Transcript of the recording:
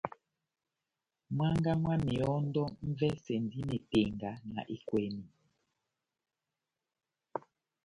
Mwángá mwá mehɔndɔ m'vɛsɛndi mepenga na ekwèmi.